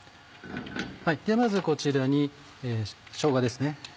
まずこちらにしょうがですね。